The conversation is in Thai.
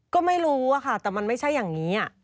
ก็ไม่รู้อะค่ะแต่มันไม่ใช่อย่างนี้